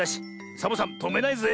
サボさんとめないぜ。